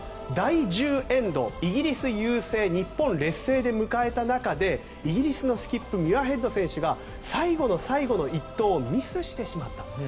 第１０エンド、イギリス優勢日本劣勢で迎えた中でイギリスのスキップミュアヘッド選手が最後の最後の１投をミスしてしまった。